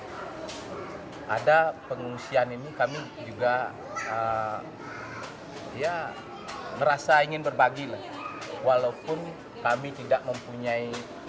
hai ada pengungsian ini kami juga ya merasa ingin berbagi walaupun kami tidak mempunyai